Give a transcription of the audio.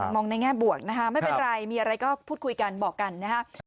มองในแง่บวกนะคะไม่เป็นไรมีอะไรก็พูดคุยกันบอกกันนะครับ